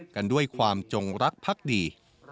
กันด้วยความจงรักพักดี